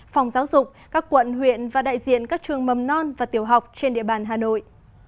phòng giáo dục các quận huyện và đại diện các trường mầm non và tiểu học trên địa bàn hà nội